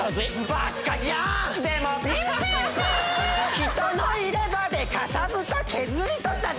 ひとの入れ歯でかさぶた削り取ったぜ